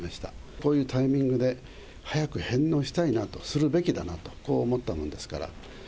こういうタイミングで、早く返納したいなと、するべきだなと、こう思ったものですから。